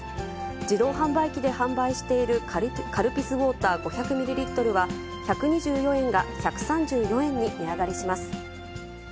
自動販売機で販売しているカルピスウォーター５００ミリリットルは、１２４円が１３４円に値上がりします。